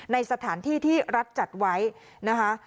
ในสถานที่ที่รัฐจัดไว้นะคะ